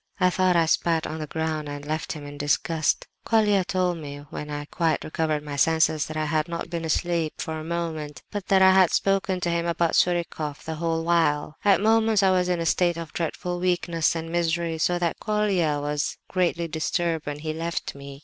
"I thought I spat on the ground and left him in disgust. Colia told me, when I quite recovered my senses, that I had not been asleep for a moment, but that I had spoken to him about Surikoff the whole while. "At moments I was in a state of dreadful weakness and misery, so that Colia was greatly disturbed when he left me.